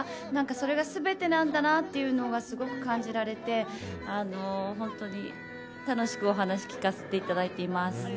それが全てなんだなというのがすごく感じられて本当に楽しくお話聞かせていただいています。